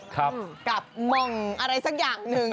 กับมองอะไรสักอย่างหนึ่ง